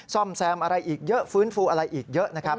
ซ่อมแซมอะไรอีกเยอะฟื้นฟูอะไรอีกเยอะนะครับ